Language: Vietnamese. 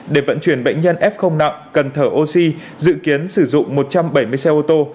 để vận chuyển bệnh nhân f nặng cần thở oxy dự kiến sử dụng một trăm bảy mươi xe ô tô